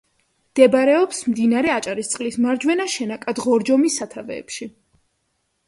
მდებარეობს, მდინარე აჭარისწყლის მარჯვენა შენაკად ღორჯომის სათავეებში.